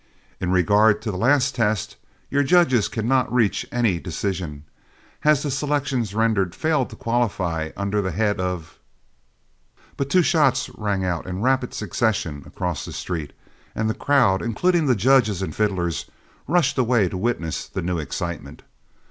In regard to the last test, your judges cannot reach any decision, as the selections rendered fail to qualify under the head of" But two shots rang out in rapid succession across the street, and the crowd, including the judges and fiddlers, rushed away to witness the new excitement.